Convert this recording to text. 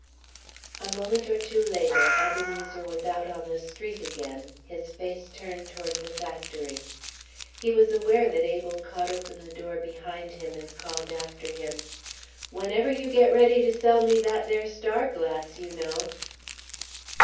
A moment or two later Ebenezer was out on the street again, his face turned toward the factory. He was aware that Abel caught open the door behind him and called after him, "Whenever you get ready to sell me that there star glass, you know...."